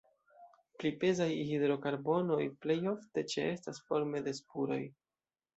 Pli pezaj hidrokarbonoj plej ofte ĉeestas forme de spuroj.